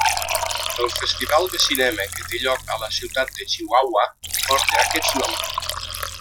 El festival de cinema que té lloc a la ciutat de Chihuahua porta aquest nom.